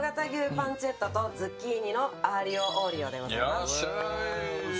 パンチェッタとズッキーニのアーリオ・オーリオでございます。